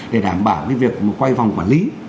để đảm bảo cái việc quay vòng quản lý